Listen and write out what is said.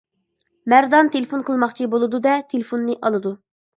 مەردان تېلېفون قىلماقچى بولىدۇ دە تېلېفوننى ئالىدۇ.